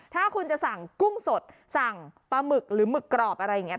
ถ้าคุณจะสั่งกุ้งสดสั่งปลาหมึกหรือหมึกกรอบอะไรอย่างนี้